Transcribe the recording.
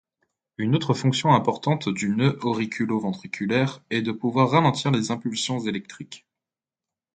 Une autre fonction importante du nœud auriculo-ventriculaire est de pouvoir ralentir les impulsions électriques.